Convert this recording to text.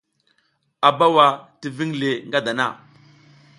A bawa ti jiƞ le ngadana.